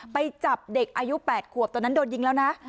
ไปจับเด็กอายุ๘ขวบตอนนั้นโดนยิงแล้วนะ